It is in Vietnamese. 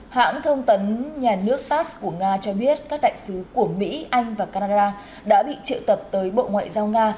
hãng thông tấn nhà nước tas của nga cho biết các đại sứ của mỹ anh và canada đã bị triệu tập tới bộ ngoại giao nga